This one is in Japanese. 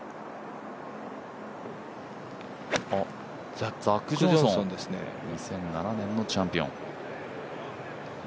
ザック・ジョンソン、２００７年のチャンピオン。